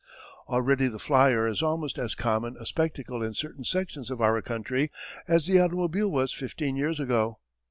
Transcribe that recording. Already the flier is almost as common a spectacle in certain sections of our country as the automobile was fifteen years ago.